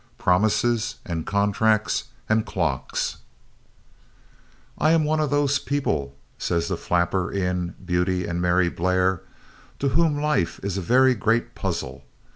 Promises and Contracts and Clocks "I am one of those people," says the flapper in Beauty and Mary Blair, "to whom life is a very great puzzle.